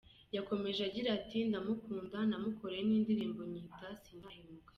Yakomeje agira ati :« Ndamukunda namukoreye n’indirimbo nyita Sinzahemuka.